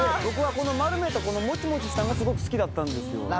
僕はこの丸めたもちもちしたのがすごく好きだったんですよ。